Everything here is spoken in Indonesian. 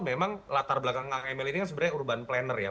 memang latar belakang kang emil ini kan sebenarnya urban planner ya